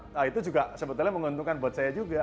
nah itu juga sebetulnya menguntungkan buat saya juga